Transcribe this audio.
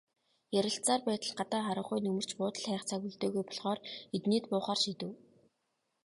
Ярилцсаар байтал гадаа харанхуй нөмөрч, буудал хайх цаг үлдээгүй болохоор эднийд буухаар шийдэв.